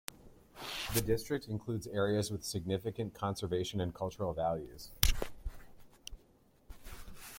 The district includes areas with significant conservation and cultural values.